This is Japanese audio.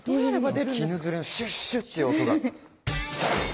きぬ擦れのシュッシュッていう音が。